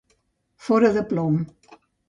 Fora de plom.